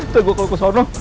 tunggu kalau kesana